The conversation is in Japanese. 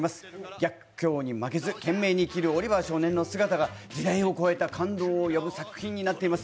逆境に負けず懸命に生きるオリバー少年の姿が時代を超えた感動を呼ぶ作品になっています。